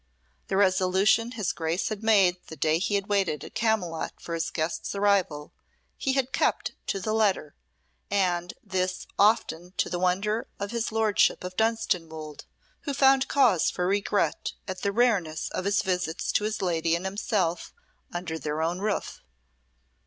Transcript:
The resolution his Grace had made the day he waited at Camylott for his guests' arrival, he had kept to the letter, and this often to the wonder of his lordship of Dunstanwolde, who found cause for regret at the rareness of his visits to his lady and himself under their own roof.